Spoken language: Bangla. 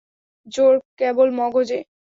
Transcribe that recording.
জোর কেবল মগজে।